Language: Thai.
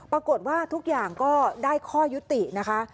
ปรากฏว่าทุกอย่างก็ได้ข้อยุตินะคะ